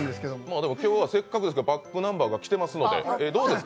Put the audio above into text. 今日はせっかくですからｂａｃｋｎｕｍｂｅｒが来てますので。